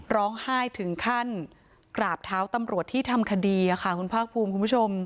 ร้องไห้ถึงขั้นกราบเท้าตำรวจที่ทำคดีคุณภาคภูมิคุณผู้ชม